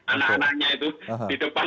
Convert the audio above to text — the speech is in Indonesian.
anak anaknya itu di depan